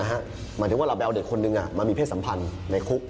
หมายถึงว่าเราไปเอาเด็กคนนึงมามีเพศสัมพันธ์ในคุก